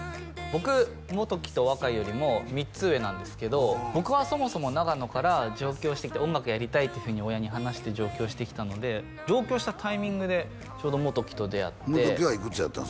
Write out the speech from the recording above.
僕元貴と若井よりも３つ上なんですけど僕はそもそも長野から上京してきて音楽やりたいっていうふうに親に話して上京してきたので上京したタイミングでちょうど元貴と出会って元貴はいくつやったん？